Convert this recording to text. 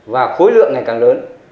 và khối lượng ngày càng lớn